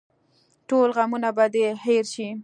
ټول غمونه به دې هېر شي.